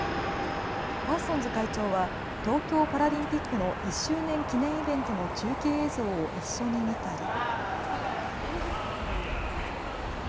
パーソンズ会長は東京パラリンピックの１周年記念イベントの中継映像を一緒に見たり。